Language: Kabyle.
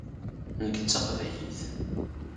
Nekk d taqbaylit.